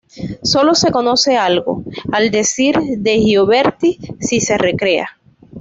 Sólo se conoce algo, al decir de Gioberti, si se recrea.